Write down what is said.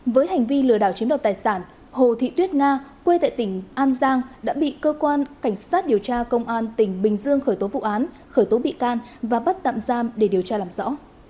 với hành vi lừa đảo chiếm đoạt tài sản hồ thị tuyết nga quê tại tỉnh an giang đã bị cơ quan cảnh sát điều tra công an tỉnh bình dương khởi tố vụ án khởi tố bị can và bắt tạm giam để điều tra làm rõ